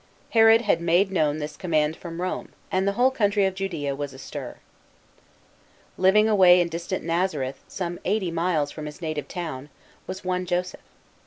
Herod had made known this command from Rome, and the whole country of Judaea was astir. Living away in distant Nazareth, some eighty miles, from his native town, was o$e Joseph.